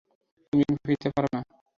তুমি এখানে ফিরতে পারবে না।